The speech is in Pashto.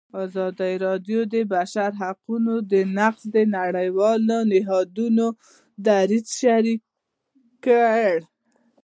ازادي راډیو د د بشري حقونو نقض د نړیوالو نهادونو دریځ شریک کړی.